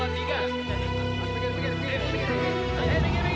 aku tidak menyalahkan kamu gus